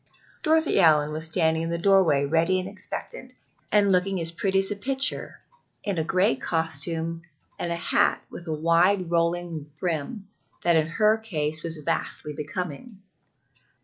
Dorothy Allyn was standing in the doorway ready and expectant, and looking as pretty as a picture in a gray costume and a hat with a wide rolling brim, that in her case was vastly becoming.